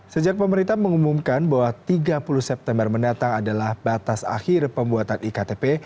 sejak pemerintah mengumumkan bahwa tiga puluh september mendatang adalah batas akhir pembuatan iktp